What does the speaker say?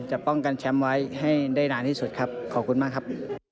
จะป้องกันแชมป์ไว้ให้ได้นานที่สุดครับขอบคุณมากครับ